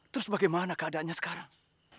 terus bagaimana keadaannya sekarang